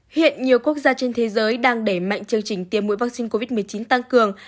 hiện nhiều quốc gia trên thế giới đang đẩy mạnh chương trình tiêm mũi vaccine covid một mươi chín tăng cường